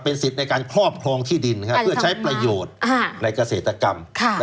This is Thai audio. สิทธิ์ในการครอบครองที่ดินเพื่อใช้ประโยชน์ในเกษตรกรรม